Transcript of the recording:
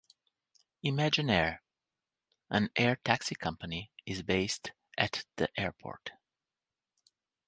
ImagineAir, an air taxi company, is based at the airport.